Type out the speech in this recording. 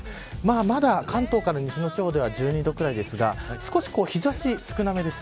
まだ関東から西の地方では１２度ぐらいですが少し、日差し少なめです。